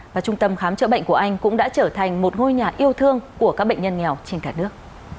và trung tâm khám chữa bệnh của anh cũng đã trở thành một ngôi nhà yêu thương của các bệnh nhân nghèo trên cả nước